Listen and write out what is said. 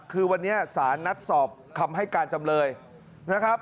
คือวันนี้สารนัดสอบคำให้การจำเลยนะครับ